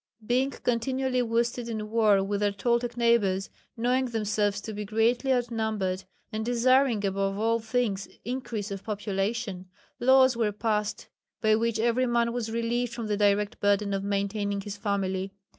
Being continually worsted in war with their Toltec neighbours, knowing themselves to be greatly outnumbered, and desiring above all things increase of population, laws were passed, by which every man was relieved from the direct burden of maintaining his family.